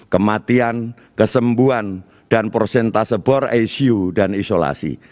kematian kesembuhan dan prosentase bor icu dan isolasi